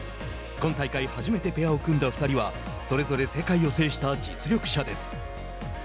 今大会初めてペアを組んだ２人はそれぞれ世界を制した実力者です。